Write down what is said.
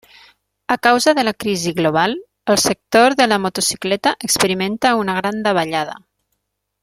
A causa de la crisi global, el sector de la motocicleta experimenta una gran davallada.